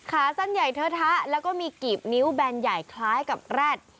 ขาสั้นใหญ่เทอะทะแล้วก็มีกีบนิ้วแบนใหญ่คล้ายกับแร็ด